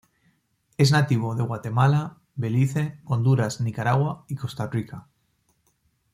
Es nativo de Guatemala, Belice, Honduras, Nicaragua y Costa Rica.